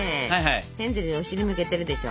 ヘンゼルにお尻向けてるでしょ？